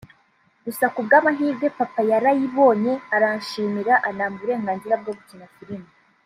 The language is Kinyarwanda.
Gusa ku bw’amahirwe Papa yarayibonye aranshimira anampa uburenganzira bwo gukina filime